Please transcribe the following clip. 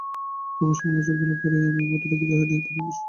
তোমার সমালোচনাগুলি পড়িয়া আমি মোটেই দুঃখিত হই নাই, বরং বিশেষ আনন্দিত হইয়াছি।